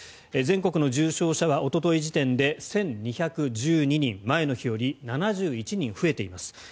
全国の重症者はおととい時点で１２１２人前の日より７１人増えています。